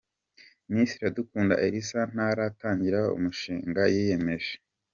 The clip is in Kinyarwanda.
Miss Iradukunda Elsa ntaratangira umushinga yiyemeje?.